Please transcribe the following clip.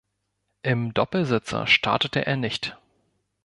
Im Doppelsitzer startete er nicht.